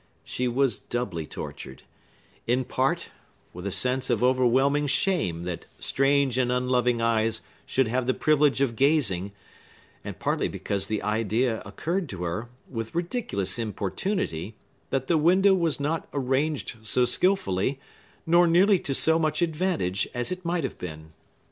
She was doubly tortured; in part, with a sense of overwhelming shame that strange and unloving eyes should have the privilege of gazing, and partly because the idea occurred to her, with ridiculous importunity, that the window was not arranged so skilfully, nor nearly to so much advantage, as it might have been.